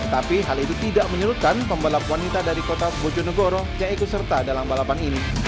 tapi hal itu tidak menyurutkan pembalap wanita dari kota bojonegoro yang ikut serta dalam balapan ini